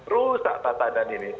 rusak tatanan ini